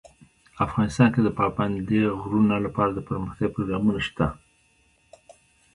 افغانستان کې د پابندی غرونه لپاره دپرمختیا پروګرامونه شته.